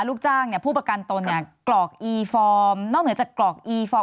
ลูกจ้างเนี่ยผู้ประกันตนเนี่ยกรอกอีฟอร์มนอกเหนือจากกรอกอีฟอร์ม